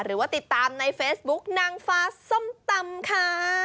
หรือว่าติดตามในเฟซบุ๊กนางฟ้าส้มตำค่ะ